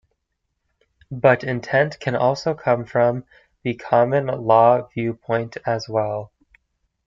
But intent can also come from the common law viewpoint as well.